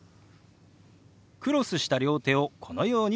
クロスした両手をこのように動かします。